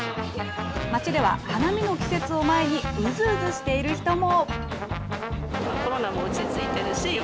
街では花見の季節を前に、うずうずしている人も。